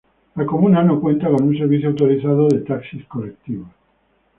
La comuna no cuenta con un servicio autorizado de Taxis colectivos.